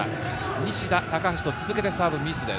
西田、高橋と続けてサーブミスです。